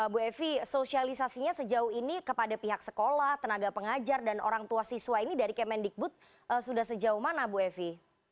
bu evi sosialisasinya sejauh ini kepada pihak sekolah tenaga pengajar dan orang tua siswa ini dari kemendikbud sudah sejauh mana bu evi